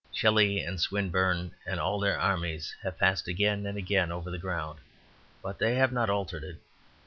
Shelley and Swinburne and all their armies have passed again and again over the ground, but they have not altered it.